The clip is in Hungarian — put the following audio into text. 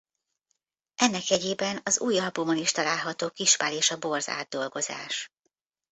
Ennek jegyében az új albumon is található Kispál és a Borz átdolgozás.